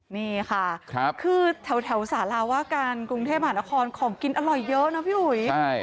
นี่ค่ะคือแถวสาราว่าการกรุงเทพหานครของกินอร่อยเยอะนะพี่อุ๋ย